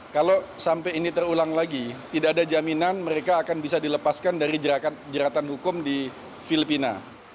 kalau sampai ini terulang lagi tidak ada jaminan mereka akan bisa dilepaskan dari jeratan hukum di filipina